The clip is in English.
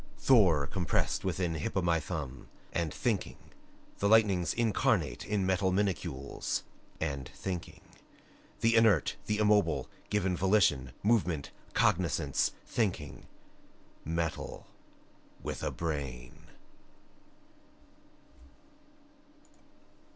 Thor compressed within Hop o' my thumb and thinking. The lightnings incarnate in metal minacules and thinking. The inert, the immobile, given volition, movement, cognoscence thinking. Metal with a brain!